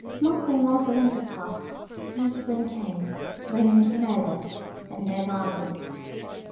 '" Month by month the winter passed, and spring came, bringing Mrs. Merideth, but no Margaret.